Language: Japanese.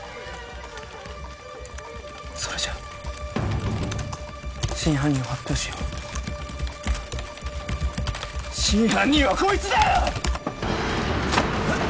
それじゃ真犯人を発表しよう真犯人はこいつだよ！